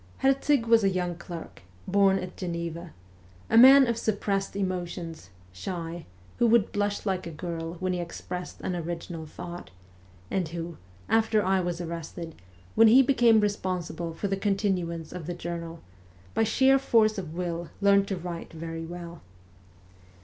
Herzig was a young clerk, born at Geneva ; a man of suppressed emotions, shy, who would blush like a girl when he expressed an original thought, and who, after I was arrested, when he became responsible for the continuance of the journal, by sheer force of will learned to write very well.